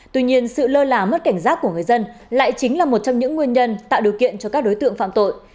tuy nhiên sự lơ là mất cảnh giác của người dân lại chính là một trong những nguyên nhân tạo điều kiện cho các đối tượng phạm tội